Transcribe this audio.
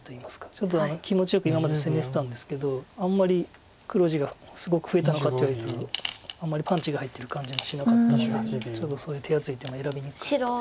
ちょっと気持ちよく今まで攻めてたんですけどあんまり黒地がすごく増えたのかって言われたらあんまりパンチが入ってる感じもしなかったのでちょっとそういう手厚い手も選びにくかったですよね。